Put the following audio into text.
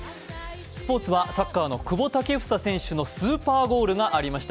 スポーツはサッカーの久保建英選手のスーパーゴールがありました。